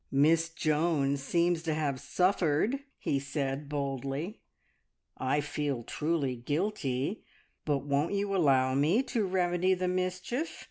"Miss Joan seems to have suffered," he said boldly. "I feel truly guilty; but won't you allow me to remedy the mischief?